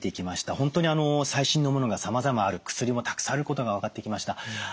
本当に最新のものがさまざまある薬もたくさんあることが分かってきました。